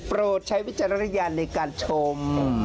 โปรดใช้วิจารณญาณในการชม